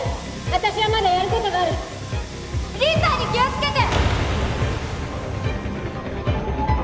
私はまだやることがあるリーパーに気をつけて！